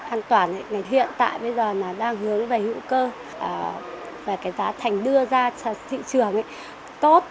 an toàn hiện tại bây giờ đang hướng về hữu cơ và giá thành đưa ra thị trường tốt